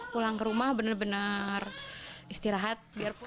pulang ke rumah benar benar istirahat